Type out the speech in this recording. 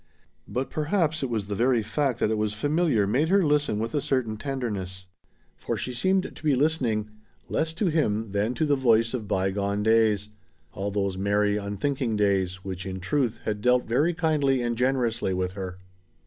But perhaps it was the very fact that it was familiar made her listen with a certain tenderness. For she seemed to be listening, less to him than to the voice of by gone days all those merry, unthinking days which in truth had dealt very kindly and generously with her.